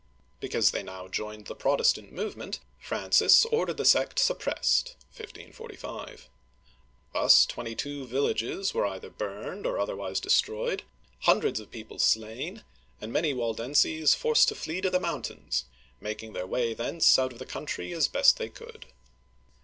Because they now joined the Protestant move ment, Francis ordered the sect suppressed (1545). Thus twenty two villages were either 'burned or otherwise de stroyed, hundreds of people slain, and many Waldenses forced to flee to the mountains, making their way thence out of the country as best as they could.